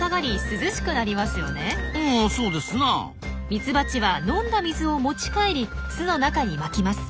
ミツバチは飲んだ水を持ち帰り巣の中にまきます。